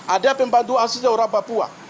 ada pembantu asisten orang papua